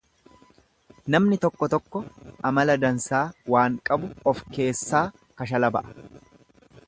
Namni tokko tokko amala dansaa waan qabu of fakkeessaa kashalaba'a.